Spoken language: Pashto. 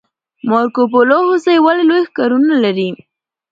مارکوپولو هوسۍ ولې لوی ښکرونه لري؟